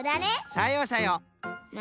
さようさよう。